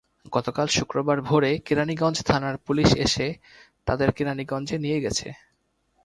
গতকাল শুক্রবার ভোরে কেরানীগঞ্জ থানার পুলিশ এসে তাদের কেরানীগঞ্জে নিয়ে গেছে।